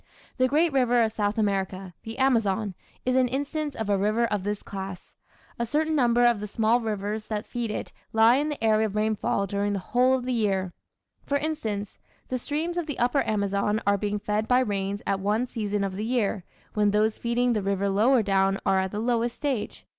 The great river of South America, the Amazon, is an instance of a river of this class. A certain number of the smaller rivers that feed it lie in the area of rainfall during the whole of the year; for instance, the streams of the upper Amazon are being fed by rains at one season of the year, when those feeding the river lower down are at the lowest stage.